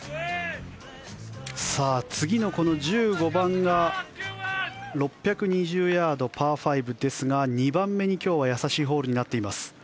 次の１５番が６２０ヤード、パー５ですが２番目に今日は易しいホールになっています。